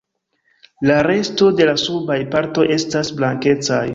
La resto de la subaj partoj estas blankecaj.